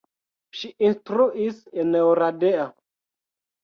Ŝi instruis en Oradea.